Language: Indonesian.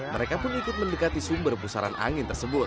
mereka pun ikut mendekati sumber pusaran angin tersebut